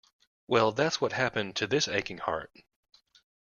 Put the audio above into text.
Well, that's what happened to this aching heart.